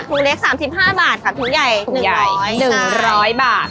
ถุงเล็ก๓๕บาทค่ะถุงใหญ่๑๐๐บาท